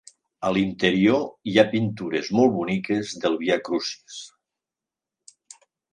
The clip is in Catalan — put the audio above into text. A l'interior hi ha pintures molt boniques del Via Crucis.